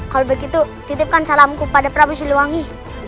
kalau begitu titipkan salamku pada prabu siliwangi